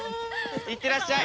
いってらっしゃい！